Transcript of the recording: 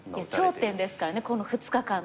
頂点ですからねこの２日間の。